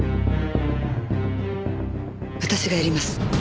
私がやります。